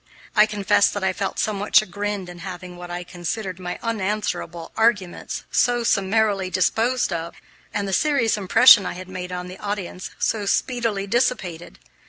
I confess that I felt somewhat chagrined in having what I considered my unanswerable arguments so summarily disposed of, and the serious impression I had made on the audience so speedily dissipated.